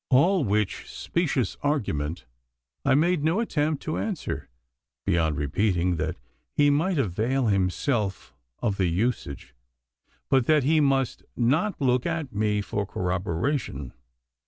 All which specious argument I made no attempt to answer, beyond repeating that he might avail himself of the usage, but that he must not look to me for corroboration.